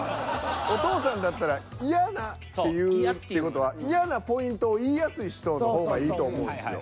お父さんだったら嫌なっていうって事は嫌なポイントを言いやすい人の方がいいと思うんですよ。